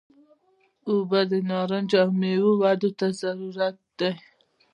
اوبه د نارنجو او میوو ودې ته ضروري دي.